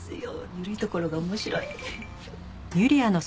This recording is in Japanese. ゆるいところが面白い。